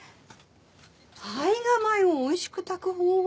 胚芽米をおいしく炊く方法？